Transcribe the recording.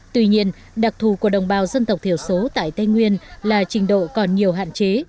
tuy nhiên đặc thù của đồng bào dân tộc thiểu số tại tây nguyên là trình độ còn nhiều hạn chế